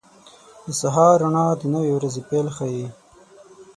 • د سهار روڼا د نوې ورځې پیل ښيي.